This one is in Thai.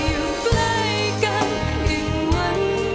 อยู่ใกล้กันยังหวั่นไหว